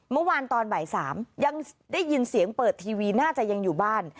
เมื่อวานตอนบ่าย๓ยังได้ยินเสียงเปิดทีวีน่าจะยังอยู่บ้าน